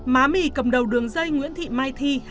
má mì cầm đầu đường dây nguyễn thị mai thi